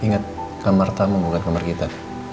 ingat kamar tamu bukan kamar kita